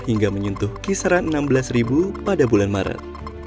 hingga menyentuh kisaran enam belas ribu pada bulan maret